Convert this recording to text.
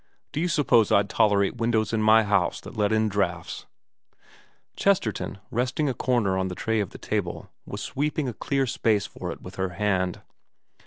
Do you suppose I'd tolerate windows in my house that let in draughts ?* Chesterton, resting a corner of the tray on the table, was sweeping a clear space for it with her hand.